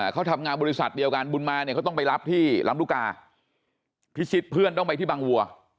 เขาทำงานบริษัทเดียวกันบุญมาเนี่ยเขาต้องไปรับที่ลำลูกกาพิชิตเพื่อนต้องไปที่บางวัว